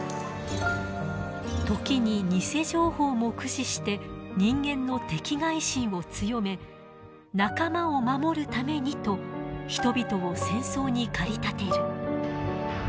時に偽情報も駆使して人間の敵がい心を強め仲間を守るためにと人々を戦争に駆り立てる。